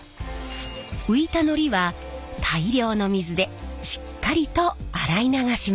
浮いたのりは大量の水でしっかりと洗い流します。